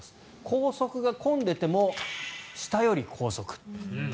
高速が混んでいても下より高速。